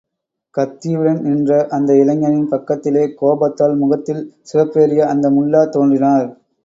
கத்தியுடன் நின்ற அந்த இளைஞனின் பக்கத்திலே கோபத்தால் முகத்தில் சிவப்பேறிய அந்த முல்லா தோன்றினார்.